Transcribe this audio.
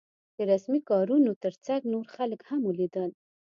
د رسمي کارونو تر څنګ نور خلک هم ولیدل.